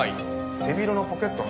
背広のポケットの中から。